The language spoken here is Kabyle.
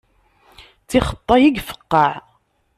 D tixeṭṭay i ifeqqeε.